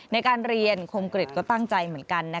ในการเรียนคมกริจก็ตั้งใจเหมือนกัน